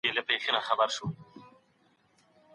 که مشوره سوې وي نو پښیماني نه پاته کېږي.